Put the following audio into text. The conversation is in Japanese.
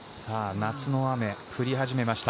夏の雨、降り始めました。